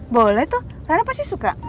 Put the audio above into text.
boleh tuh rana pasti suka